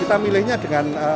kita milihnya dengan